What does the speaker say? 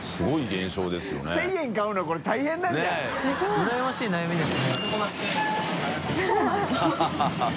うらやましい悩みですね。